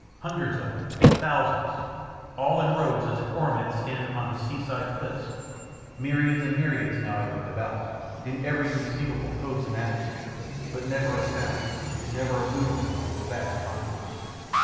hundreds of them, thousands, all in rows as cormorants stand upon sea side cliffs, myriads and myriads now I looked about, in every conceivable pose and attitude but never a sound, never a movement amongst the vast concourse.